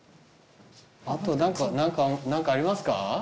あと何かありますか？